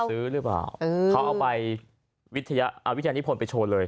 ซื้อหรือเปล่าเขาเอาใบวิทยานิพลไปโชว์เลย